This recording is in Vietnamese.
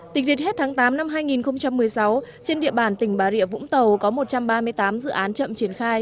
tính đến hết tháng tám năm hai nghìn một mươi sáu trên địa bàn tỉnh bà rịa vũng tàu có một trăm ba mươi tám dự án chậm triển khai